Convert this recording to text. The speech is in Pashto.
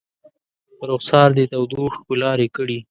په رخسار دې تودو اوښکو لارې کړي